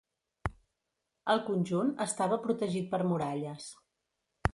El conjunt estava protegit per muralles.